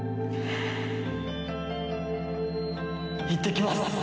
いってきます！